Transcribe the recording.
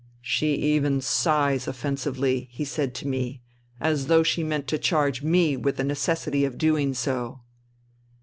'' She even sighs offensively," he said to me, " as though she meant to charge me with the necessity of doing so."